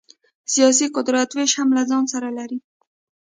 سیاسي قدرت وېش هم له ځان سره لري.